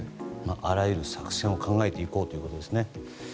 あらゆる作戦を考えていこうということですね。